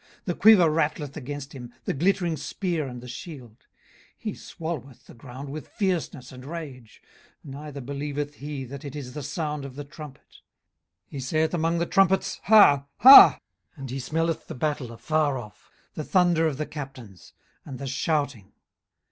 18:039:023 The quiver rattleth against him, the glittering spear and the shield. 18:039:024 He swalloweth the ground with fierceness and rage: neither believeth he that it is the sound of the trumpet. 18:039:025 He saith among the trumpets, Ha, ha; and he smelleth the battle afar off, the thunder of the captains, and the shouting.